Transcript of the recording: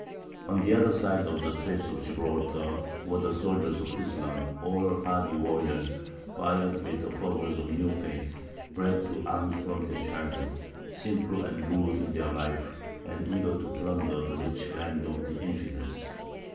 On the other side of the straits of Gibraltar were the soldiers of Islam, all hardy warriors, fired with the fervour of a new faith, bred to arms from their childhood, simple and rude in their life, and eager to plunder the rich lands of the infidels.